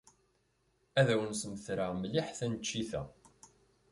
Ad awen-smetreɣ mliḥ taneččit-a.